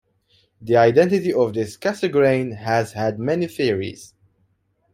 The identity of this "Cassegrain" has had many theories.